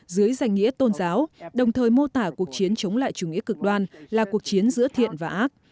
dưới danh nghĩa tôn giáo đồng thời mô tả cuộc chiến chống lại chủ nghĩa cực đoan là cuộc chiến giữa thiện và ác